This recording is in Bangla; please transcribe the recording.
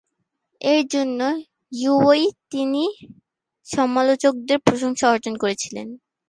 এর জন্য ইয়ু অই তিনি সমালোচকদের প্রশংসা অর্জন করেছিলেন।